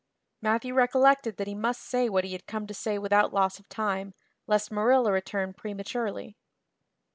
Matthew recollected that he must say what he had come to say without loss of time, lest Marilla return prematurely.